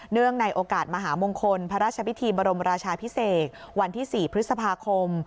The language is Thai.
ในโอกาสมหามงคลพระราชพิธีบรมราชาพิเศษวันที่๔พฤษภาคม